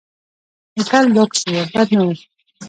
هوټل لکس و، بد نه و.